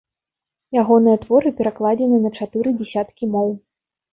Ягоныя творы перакладзены на чатыры дзясяткі моў.